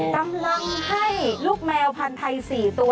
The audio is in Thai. อันนั้นมันให้ลูกแมวพันธุ์ไทย๔ตัว